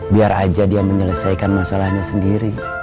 biar aja dia menyelesaikan masalahnya sendiri